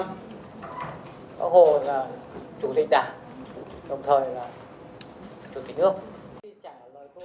bác hồ là chủ tịch đảng đồng thời là chủ tịch nước